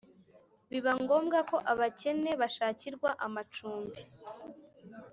Biba ngombwa ko abakene bushakirwa amacumbi